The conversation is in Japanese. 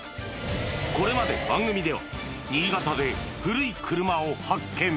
これまで番組では、新潟で古い車を発見。